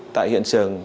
tại hiện trường